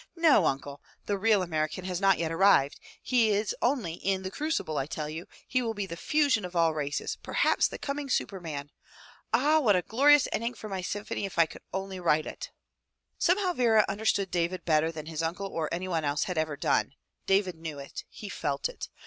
"No, uncle, the real American has not yet arrived. He is only in the crucible, I tell you — he will be the fusion of all races, perhaps the coming superman! Ah! what a glorious ending for my symphony if I can only write it!" Somehow Vera understood David better than his uncle or anyone else had ever done — David knew it; he felt it.